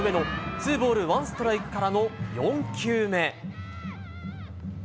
ツーボールワンストライクからの４球目。